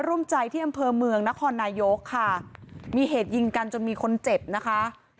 ร่วมใจที่อำเภอเมืองนครนายกค่ะมีเหตุยิงกันจนมีคนเจ็บนะคะ